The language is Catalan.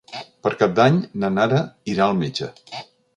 Per Cap d'Any na Nara irà al metge.